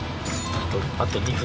あと２分。